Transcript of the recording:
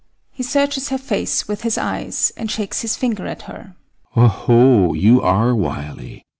[He searches her face with his eyes, and shakes his finger at her] Oho, you are wily!